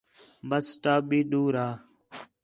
بس سٹاپ بھی دور ہا